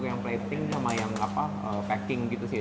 untuk yang plating sama yang packing gitu sih ya